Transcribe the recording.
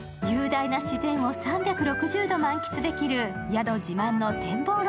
雄大な自然を３６０度満喫できる宿自慢の展望